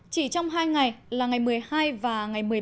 chỉ trong hai ngày là ngày một mươi hai và ngày một mươi năm